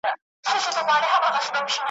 یو شمس الدین وم په کندهار کي `